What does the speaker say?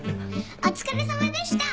お疲れさまでした！